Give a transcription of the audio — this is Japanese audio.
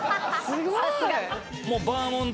すごーい！